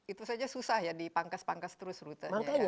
itu saja susah ya dipangkas pangkas terus rutenya